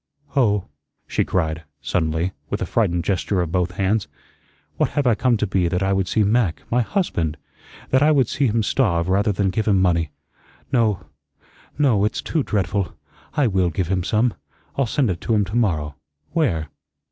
Oh," she cried, suddenly, with a frightened gesture of both hands, "what have I come to be that I would see Mac my husband that I would see him starve rather than give him money? No, no. It's too dreadful. I WILL give him some. I'll send it to him to morrow. Where?